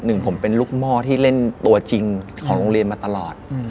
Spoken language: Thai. หนึ่งผมเป็นลูกหม้อที่เล่นตัวจริงของโรงเรียนมาตลอด